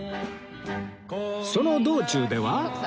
その道中では